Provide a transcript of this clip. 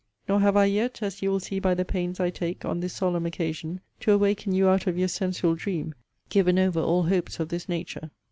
Nor have I yet, as you will see by the pains I take, on this solemn occasion, to awaken you out of your sensual dream, given over all hopes of this nature.